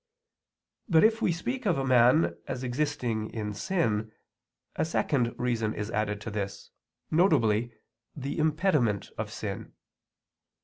But if we speak of man as existing in sin, a second reason is added to this, viz. the impediment of sin.